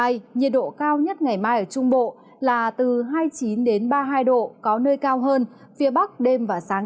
nhiệt độ cao nhất ngày mai ở trung bộ là từ hai mươi chín ba mươi hai độ có nơi cao hơn phía bắc đêm và sáng